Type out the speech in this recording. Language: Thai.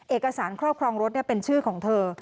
เอกสารครอบครองรถเป็นชื่อของเธอ